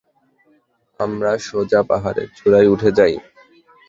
আমরা সোজা পাহাড়ের চূড়ায় উঠে যাই।